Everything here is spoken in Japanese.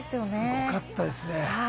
すごかったですね。